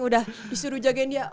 udah disuruh jagain dia